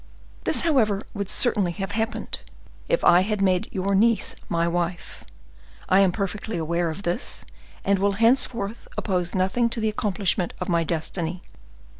This, however, would certainly have happened if I had made your niece my wife. I am perfectly aware of this, and will henceforth oppose nothing to the accomplishment of my destiny.